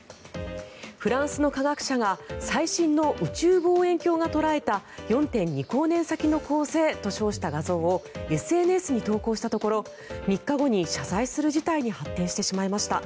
フランスの科学者が最新の宇宙望遠鏡が捉えた４．２光年先の恒星と称した画像をＳＮＳに投稿したところ３日後に謝罪する事態に発展してしまいました。